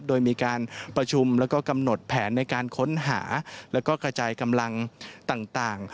โดยมีการประชุมแล้วก็กำหนดแผนในการค้นหาแล้วก็กระจายกำลังต่าง